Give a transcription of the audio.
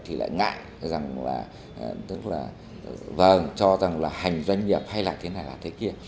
thì lại ngại rằng là tức là vâng cho rằng là hành doanh nghiệp hay là thế này là thế kia